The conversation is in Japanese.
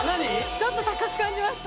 ちょっと高く感じました。